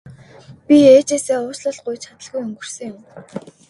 Би ээжээсээ уучлалт гуйж чадалгүй өнгөрсөн юм.